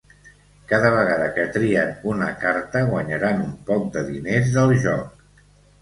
Cada vegada que trien una carta guanyaran un poc de diners del joc.